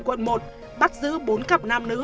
quận một bắt giữ bốn cặp nam nữ